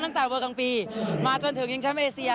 ตั้งแต่เวลากลางปีมาจนถึงขึ้นใหญ่ชาติเอเชีย